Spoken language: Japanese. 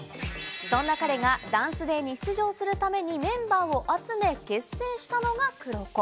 そんな彼がＴＨＥＤＡＮＣＥＤＡＹに出場するためにメンバーを集め結成したのがＫＵＲＯＫＯ。